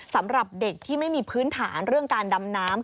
สำหรับเด็กที่ไม่มีพื้นฐานเรื่องการดำน้ำ